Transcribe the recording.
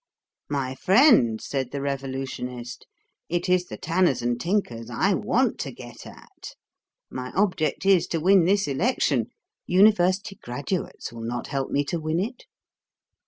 "My friend," said the Revolutionist, "it is the tanners and tinkers I want to get at. My object is, to win this election; University graduates will not help me to win it."